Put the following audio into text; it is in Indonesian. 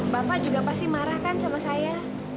bapak juga pasti marah kan sama saya